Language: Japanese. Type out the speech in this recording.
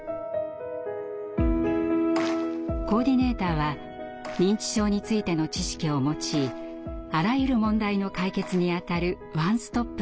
コーディネーターは認知症についての知識を持ちあらゆる問題の解決に当たるワンストップの相談窓口。